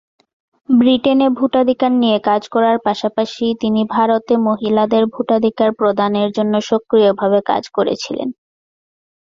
ব্রিটেনে ভোটাধিকার নিয়ে কাজ করার পাশাপাশি তিনি ভারতে মহিলাদের ভোটাধিকার প্রদানের জন্য সক্রিয়ভাবে কাজ করেছিলেন।